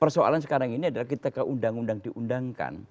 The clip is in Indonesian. persoalan sekarang ini adalah kita ke undang undang diundangkan